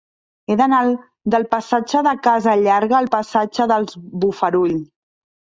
He d'anar del passatge de Casa Llarga al passatge dels Bofarull.